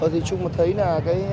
thì chúng thấy là